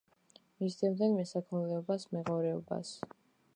მისდევდნენ მესაქონლეობას, მეღორეობას.